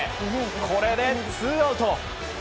これでツーアウト。